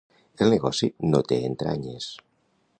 El negoci no té entranyes.